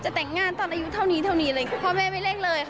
จะแต่งงานตอนอายุเท่านี้เลย